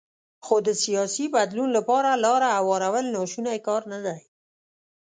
خو د سیاسي بدلون لپاره لاره هوارول ناشونی کار نه دی.